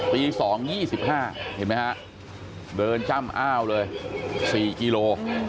ตี๒นาที๒๕นาทีเห็นมั้ยฮะเดินจ้ำอ้าวเลย๔กิโล